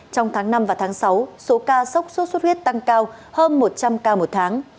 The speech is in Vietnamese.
trong tháng năm và tháng sáu số ca sốc sốt xuất huyết tăng cao hơn một trăm linh ca một tháng